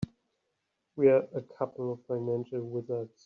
We're a couple of financial wizards.